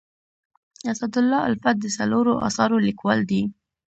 اسدالله الفت د څلورو اثارو لیکوال دی.